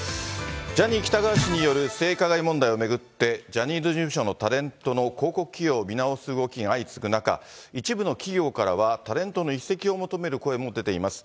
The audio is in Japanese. ジャニー喜多川氏による性加害問題を巡って、ジャニーズ事務所のタレントの広告起用を見直す動きが相次ぐ中、一部の企業からは、タレントの移籍を求める声も出ています。